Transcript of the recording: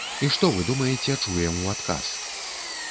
І што вы думаеце чуем у адказ?